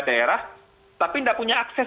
daerah tapi tidak punya akses